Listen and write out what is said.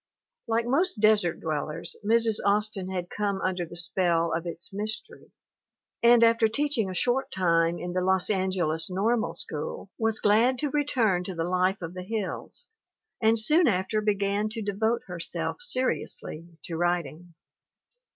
Like most desert dwellers, Mrs. Austin had come under the spell of its mystery, and after teaching a short time in the Los Angeles Normal School, was glad to return to the 166 THE WOMEN WHO MAKE OUR NOVELS life of the hills, and soon after began to devote herself seriously to writing.